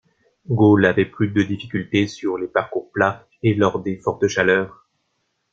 Gaul avait plus de difficultés sur les parcours plats et lors des fortes chaleurs.